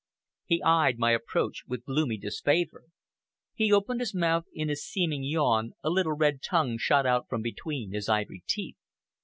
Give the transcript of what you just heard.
He eyed my approach with gloomy disfavor. He opened his mouth in a seeming yawn, a little, red tongue shot out from between his ivory teeth.